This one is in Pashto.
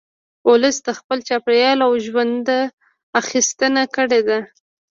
ولس د خپل چاپېریال او ژونده اخیستنه کړې ده